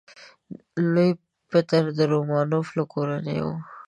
لوی پطر د رومانوف له کورنۍ و.